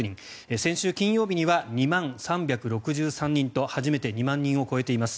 先週金曜日には２万３６３人と初めて２万人を超えています。